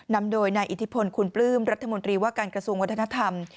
นำโดยนายอิทธิพลคุณปลื้มรัฐมนตรีว่าการกระทรวงวัฒนธรรม